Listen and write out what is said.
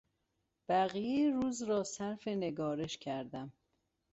بقیهی روز را صرف نگارش کردم.